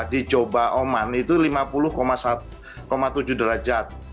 dicoba oman itu lima puluh tujuh derajat